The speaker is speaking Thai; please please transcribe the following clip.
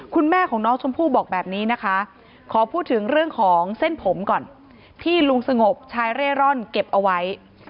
คุณแม่ของน้องชมพู่บอกแบบนี้นะคะขอพูดถึงเรื่องของเส้นผมก่อนที่ลุงสงบชายเร่ร่อนเก็บเอาไว้